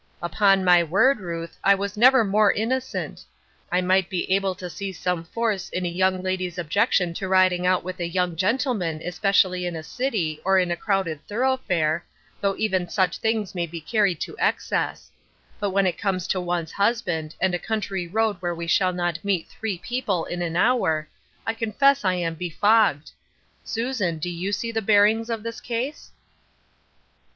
" Upon my word, Ruth, I was never more innocent. I might be able to see some force in a young lady's objection to riding out with a 370 Ruth Erskine's Crosses, young gentleman, especially in a city, or in a crowded thoroughfare, though even such things may be carried to excess ; but when it comes to one's husband, and a country road ^rhere we Bhall not meet three people in an hour, I confess I am befogged. Susan, do you see the bearings of this case